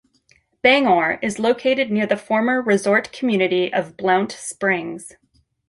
Bangor is located near the former resort community of Blount Springs.